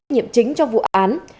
nhiệm chính cho vụ án